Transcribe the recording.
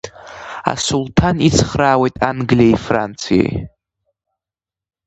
Асулҭан ицхраауеит Англиеи Франциеи.